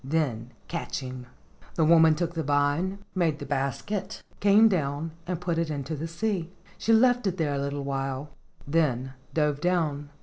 Then catch him." The woman took the vine, made the basket, came down and put it in the sea. She left it there a little while, then dove down.